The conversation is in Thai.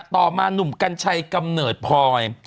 ต่อมาหนุ่มกัญชัยกำเนิดพลอย